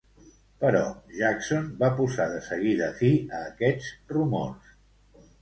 Però Jackson va posar de seguida fi a aquests rumors.